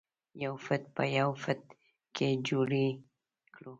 یو فټ په یو فټ کې جوړې کړو.